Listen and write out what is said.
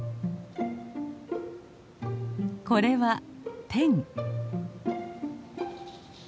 これはテン。